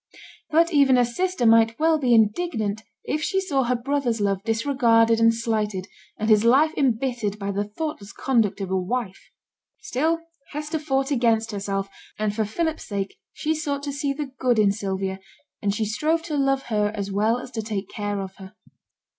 But even a sister might well be indignant if she saw her brother's love disregarded and slighted, and his life embittered by the thoughtless conduct of a wife! Still Hester fought against herself, and for Philip's sake she sought to see the good in Sylvia, and she strove to love her as well as to take care of her.